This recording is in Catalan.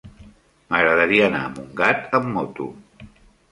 M'agradaria anar a Montgat amb moto.